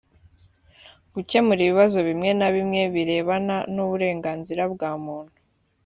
gukemura ibibazo bimwe na bimwe birebana n uburengazira bwa muntu